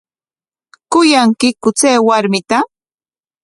¿Kuyankiku chay warmita?